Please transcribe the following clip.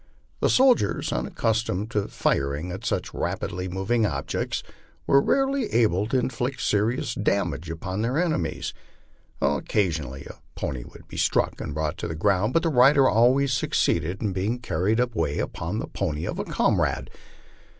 The soldiers, un accustomed to firing at such rapidly moving objects, were rarely able to inflict serious damage upon their enemies. Occasionally a pony would be struck and brought to the ground, but the rider always succeeded in being car ried away upon the pony of a comrade.